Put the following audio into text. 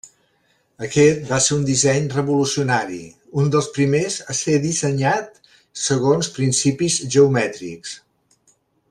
Aquest va ser un disseny revolucionari, un dels primers a ser dissenyat segons principis geomètrics.